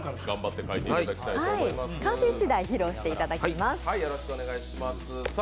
完成しだい披露していただきます。